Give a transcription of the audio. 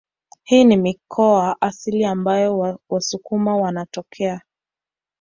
Hii ni mikoa asili ambayo wasukuma wanatokea